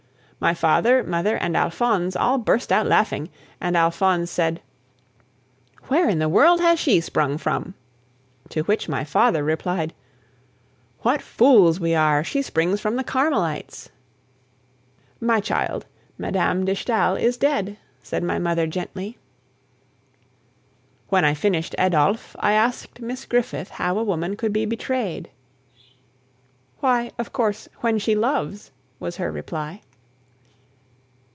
My father, mother, and Alphonse all burst out laughing, and Alphonse said: "Where in the world has she sprung from?" To which my father replied: "What fools we are! She springs from the Carmelites." "My child, Mme. de Stael is dead," said my mother gently. When I finished Adolphe, I asked Miss Griffith how a woman could be betrayed. "Why, of course, when she loves," was her reply.